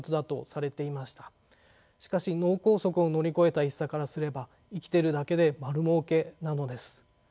しかし脳梗塞を乗り越えた一茶からすれば生きてるだけで丸儲けなのです。